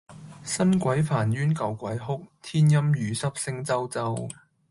新鬼煩冤舊鬼哭，天陰雨濕聲啾啾！